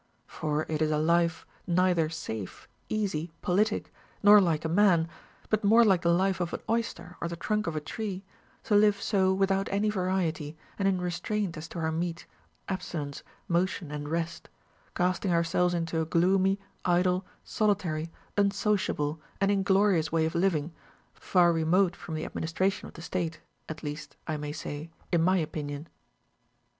For it is a life neither safe, easy, politic, nor like a man, but more like the life of an oyster or the trunk of a tree, to live so without any variety, and in restraint as to our meat, abstinence, motion, and rest ; casting ourselves into a gloomy, idle, solitary, unsociable, and inglorious way of living, far remote from the ad 1 RULES FOR THE TRESERVATION OF HEALTH. 275 mmistration of the state, — at least (I may say) in my opinion.